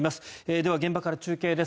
では、現場から中継です。